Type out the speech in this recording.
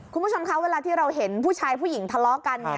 คุณผู้ชมคะเวลาที่เราเห็นผู้ชายผู้หญิงทะเลาะกันเนี่ย